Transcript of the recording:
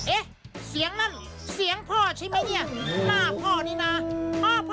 เอ๊ะเสียงนั่นเสียงพ่อใช่ไหมเนี่ยหน้าพ่อนี่นะ